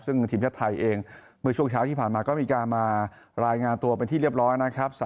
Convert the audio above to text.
ซึ่งทีมชาติไทยเองเมื่อช่วงเช้าที่ผ่านมาก็มีการมารายงานตัวเป็นที่เรียบร้อยนะครับ